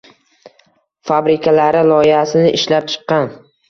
Fabrikalari loyihasini ishlab chiqqan.